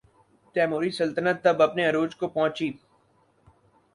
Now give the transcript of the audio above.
تیموری سلطنت تب اپنے عروج کو پہنچی۔